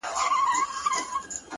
• خپل اولاد وږي زمري ته په خوله ورکړم,